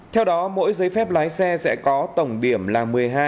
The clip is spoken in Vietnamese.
theo đó mỗi giấy phép lái xe sẽ có tổng điểm là một mươi hai